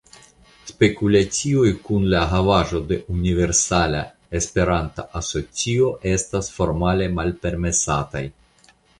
Spekulacioj kun la havaĵo de Universala Esperanto Asocio estas formale malpermesataj.